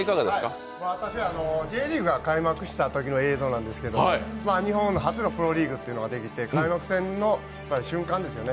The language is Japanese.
Ｊリーグが開幕したときの映像なんですけど日本初のプロリーグができて開幕戦の瞬間ですね。